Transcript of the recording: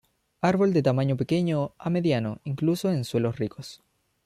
Árbol de tamaño pequeño a mediano, incluso en suelos ricos.